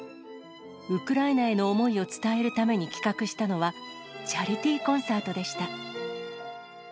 ウクライナへの思いを伝えるために企画したのは、チャリティーコンサートでした。